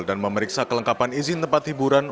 memeriksa kelengkapan izin tempat hiburan